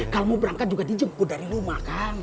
kalau mau berangkat juga dijemput dari rumah kan